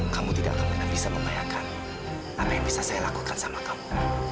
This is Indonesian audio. kamu tidak akan pernah bisa membayangkan apa yang bisa saya lakukan sama kamu